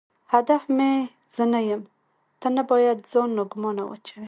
هدف مې زه نه یم، ته نه باید ځان ناګومانه واچوې.